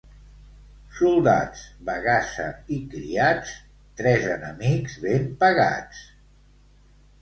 Soldats, bagassa i criats, tres enemics ben pagats.